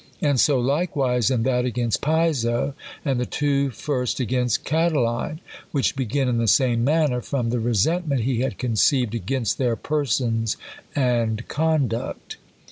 And so like wise, in that against Piso^ and the two first against Ca tiline, which begin in the same manner, from the resent ment he had conceived against their persons and conduct.